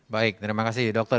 baik terima kasih dokter